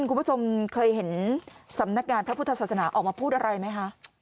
คุณผู้ชมเคยเห็นสำนักงานพระพุทธศาสนาออกมาพูดอะไรไหมคะ